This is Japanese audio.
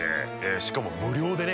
しかも無料でね